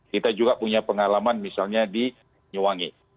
kita juga punya pengalaman misalnya di nyuwangi